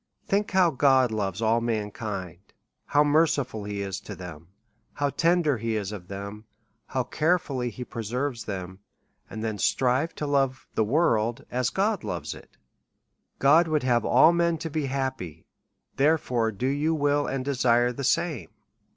Think how God loves all mankind^ how merciful he is to them, how tender he is of them, how carefully he preserves them, and then strive to love the world as God loves it. God would have all men to be happy ; therefore, do you will, and desire the same.